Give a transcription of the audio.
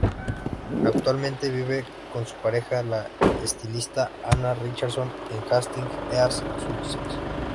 Actualmente vive con su pareja la estilista Anna Richardson, en Hastings, East Sussex.